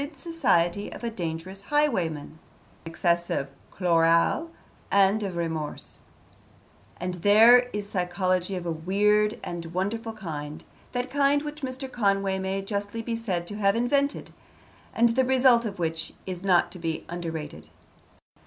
Mr. Bourchier suffers tortures from excess of chloral and of remorse; and there is psychology of a weird and wonderful kind, that kind which Mr. Conway may justly be said to have invented and the result of which is not to be underrated.